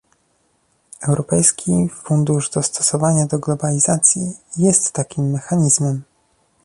Europejski Fundusz Dostosowania do Globalizacji jest takim mechanizmem